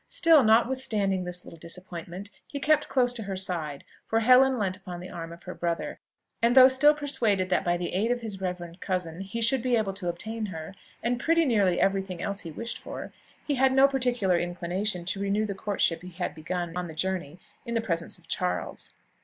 Still, notwithstanding this little disappointment, he kept close to her side, for Helen leaned upon the arm of her brother; and, though still persuaded that by the aid of his reverend cousin he should be able to obtain her, and pretty nearly every thing else he wished for, he had no particular inclination to renew the courtship he had begun on the journey in the presence of Charles.